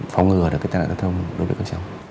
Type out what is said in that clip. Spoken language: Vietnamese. phòng ngừa được cái tai nạn giao thông đối với các cháu